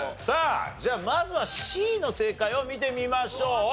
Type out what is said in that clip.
さあじゃあまずはＣの正解を見てみましょう。